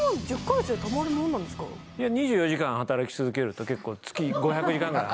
２４時間働き続けると結構月５００時間ぐらい。